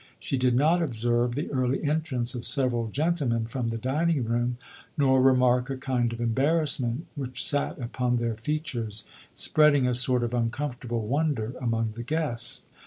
She did not observe the early entrance of several gentlemen from the dining room, nor remark a kind of embarrassment which sat upon their features, spreading a sort of uncomfortable wonder among the guests.